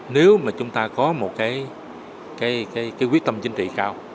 nếu mà chúng ta có một cái quyết tâm chính trị cao